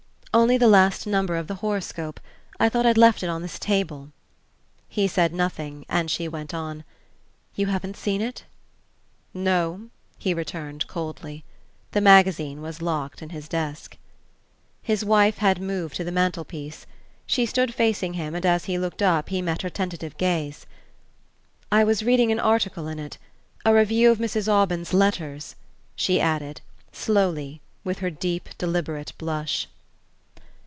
"Only the last number of the Horoscope. I thought I'd left it on this table." He said nothing, and she went on: "You haven't seen it?" "No," he returned coldly. The magazine was locked in his desk. His wife had moved to the mantel piece. She stood facing him and as he looked up he met her tentative gaze. "I was reading an article in it a review of Mrs. Aubyn's letters," she added, slowly, with her deep, deliberate blush.